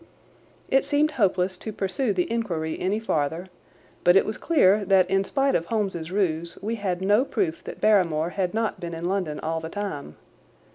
It seemed hopeless to pursue the inquiry any farther, but it was clear that in spite of Holmes's ruse we had no proof that Barrymore had not been in London all the time.